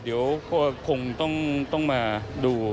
เดี๋ยวก็คงต้องมาดู